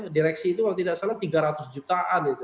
direksi itu kalau tidak salah tiga ratus jutaan